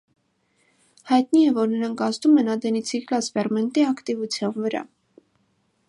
Հայտնի է, որ նրանք ազդում են ադենիլցիկլազ ֆերմենտի ակտիվության վրա։